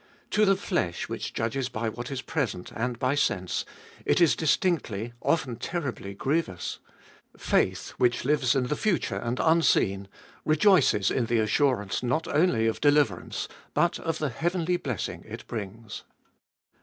To the flesh which judges by what is present and by sense, it is distinctly, often terribly, grievous. Faith which lives in the future and unseen, 494 ftbe Tbolicst of ail rejoices in the assurance not only of deliverance, but of the heavenly blessing it brings.